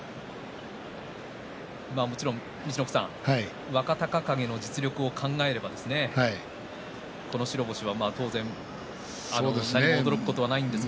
陸奥さん、もちろん若隆景の実力を考えればこの白星は当然何も驚くことはないんですが。